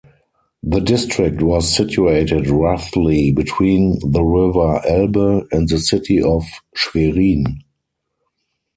The district was situated roughly between the river Elbe and the city of Schwerin.